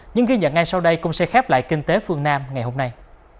những ghi nhận ngay sau đây cũng sẽ khép lại kinh tế phương nam ngày hôm nay